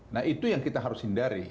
nah itu yang kita harus hindari